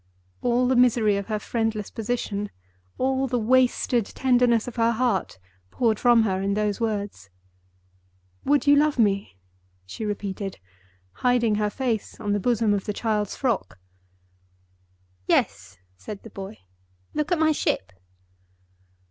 All the misery of her friendless position, all the wasted tenderness of her heart, poured from her in those words. "Would you love me?" she repeated, hiding her face on the bosom of the child's frock. "Yes," said the boy. "Look at my ship."